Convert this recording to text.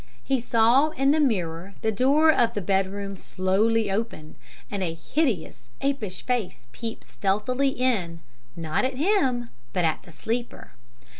He saw in the mirror the door of the bedroom slowly open, and a hideous, apish face peep stealthily in, not at him, but at the sleeper.